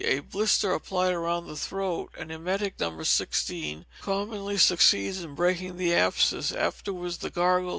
A blister applied all round the throat: an emetic, No. 16, commonly succeeds in breaking the abscess; afterwards the gargle No.